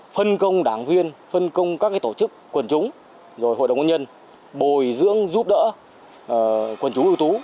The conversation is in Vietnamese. phân công đảng viên phân công các tổ chức quần chúng rồi hội đồng nhân bồi dưỡng giúp đỡ quần chúng ưu tú